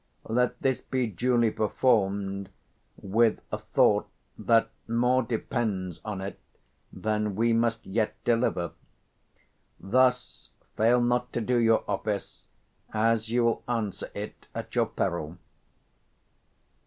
Let this be duly performed; with a thought that more depends on it than we must yet deliver. Thus fail not to do your office, as you will answer it at your peril.